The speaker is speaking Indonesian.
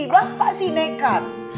bapak sih nekat